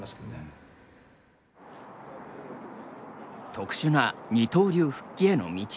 特殊な二刀流復帰への道筋。